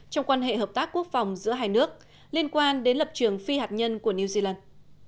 trong quan hệ hợp tác quốc phòng giữa hai nước liên quan đến lập trường phi hạt nhân của new zealand